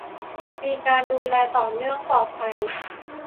- มีการดูแลต่อเนื่องปลอดภัย